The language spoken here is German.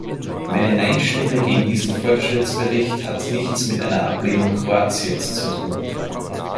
Meine Nein-Stimme gegen diesen Fortschrittsbericht hat nichts mit einer Ablehnung Kroatiens zu tun.